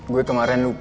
gue kemarin lupa